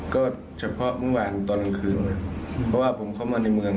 ก็เฉพาะเมื่อวานตอนกลางคืนเพราะว่าผมเข้ามาในเมือง